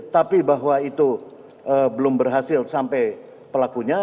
tapi bahwa itu belum berhasil sampai pelakunya